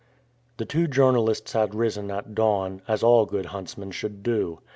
The two journalists had risen at dawn, as all good huntsmen should do.